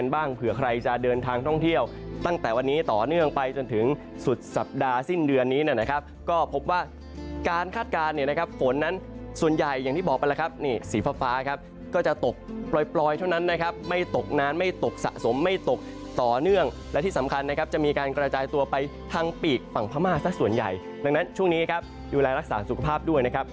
บ้างเผื่อใครจะเดินทางท่องเที่ยวตั้งแต่วันนี้ต่อเนื่องไปจนถึงสุดสัปดาห์สิ้นเดือนนี้นะครับก็พบว่าการคาดการณ์เนี่ยนะครับฝนนั้นส่วนใหญ่อย่างที่บอกเป็นแหละครับนี่สีฟ้าครับก็จะตกปล่อยเท่านั้นนะครับไม่ตกนานไม่ตกสะสมไม่ตกต่อเนื่องและที่สำคัญนะครับจะมีการกระจายตัวไปทางปีกฝั่งพม่าซะส่ว